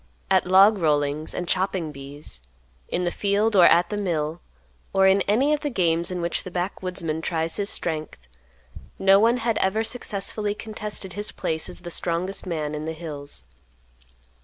At log rollings and chopping bees, in the field or at the mill, or in any of the games in which the backwoodsman tries his strength, no one had ever successfully contested his place as the strongest man in the hills.